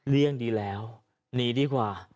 เลี่ยงดีแล้วหนีดีกว่า